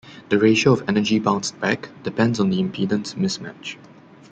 The ratio of energy bounced back depends on the impedance mismatch.